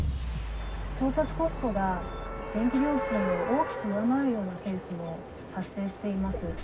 調達コストが電気料金を大きく上回るようなケースも発生しています。